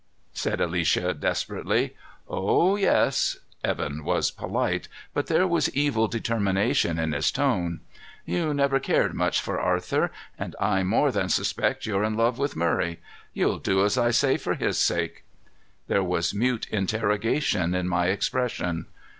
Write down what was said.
said Alicia desperately. "Oh, yes." Evan was polite, but there was evil determination in his tone. "You never cared much for Arthur, and I more than suspect you're in love with Murray. You'll do as I say for his sake." There was mute interrogation in my expression.